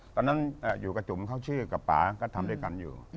เท่านั้นอยู่กับจุมเขาชื่อแล้วก็ทำด้วยกันอยู่